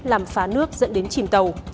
làm phá nước dẫn đến chìm tàu